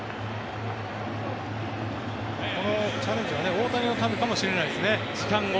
このチャレンジは大谷のためかもしれないですね。